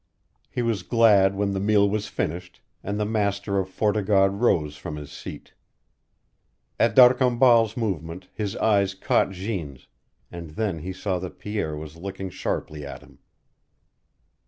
He was glad when the meal was finished, and the master of Fort o' God rose from his seat. At D'Arcambal's movement his eyes caught Jeanne's, and then he saw that Pierre was looking sharply at him.